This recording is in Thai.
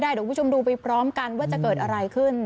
เดี๋ยวคุณผู้ชมดูไปพร้อมกันว่าจะเกิดอะไรขึ้น